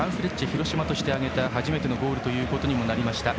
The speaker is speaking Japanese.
広島として挙げた初めてのゴールとなりました。